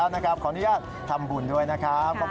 สวัสดีค่ะ